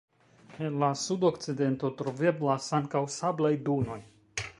En la sudokcidento troveblas ankaŭ sablaj dunoj.